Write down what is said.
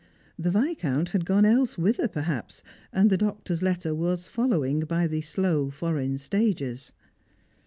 The Viscount had gone elsewhither, perhaps, and the doctor's letter was following by the slow foreign stages.